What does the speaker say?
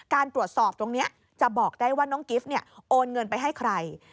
การตรวจสอบตรงนี้จะบอกได้ว่าน้องกิฟต์โอนเงินไปให้ใคร